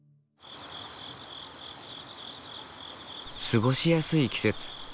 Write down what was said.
過ごしやすい季節。